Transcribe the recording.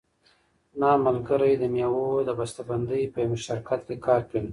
زما ملګری د مېوو د بسته بندۍ په یوه شرکت کې کار کوي.